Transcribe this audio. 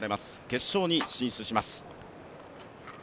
決勝に進出します。